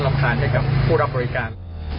ทานให้กับผู้รับบริการ